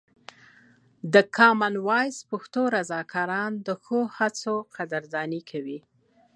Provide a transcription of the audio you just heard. د کامن وایس پښتو رضاکاران د ښو هڅو قدرداني کوي.